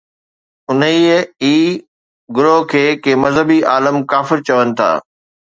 انهيءَ ئي گروهه کي ڪي مذهبي عالم ڪافر چون ٿا